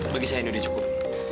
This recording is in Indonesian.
bagi saya ini udah cukup